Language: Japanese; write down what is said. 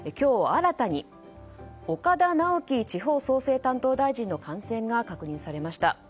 新たに岡田直樹地方創生担当大臣の感染が確認されました。